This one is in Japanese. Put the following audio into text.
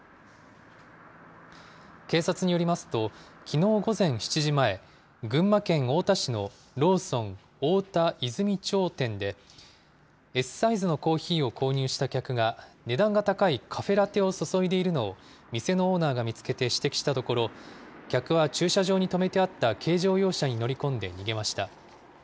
警察によりますと、きのう午前７時前、群馬県太田市のローソン太田泉町店で、Ｓサイズのコーヒーを購入した客が値段が高いカフェラテを注いでいるのを店のオーナーが見つけて指摘したところ、客は駐車場に止めてあった軽乗用車に乗り込んで逃げました。